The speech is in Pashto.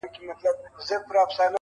په دې ښار کي زه حاکم یمه سلطان یم,